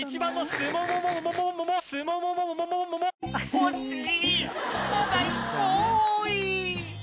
惜しい！